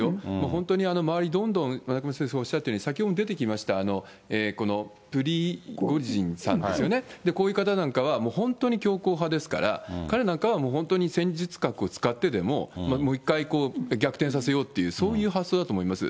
本当に周り、どんどん中村先生、おっしゃったように、先ほども出てきました、このプリゴジンさんですよね、こういう方なんかは、本当に強硬派ですから、彼なんかはもう本当に戦術核を使ってでも、もう一回、逆転させようっていう、そういう発想だと思います。